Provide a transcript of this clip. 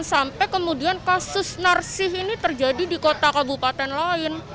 dan sampai kemudian kasus narsih ini terjadi di kota kabupaten lain